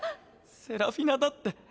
セラフィナだって。